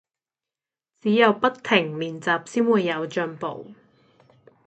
只有不停練習先會有進步